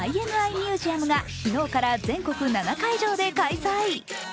「ＩＮＩｍｕｓｅｕｍ」が昨日から全国７会場で開催。